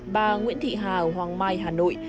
bà nguyễn thị hà ở hoàng mai hà nội